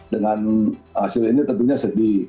dengan hasil ini tentunya sedih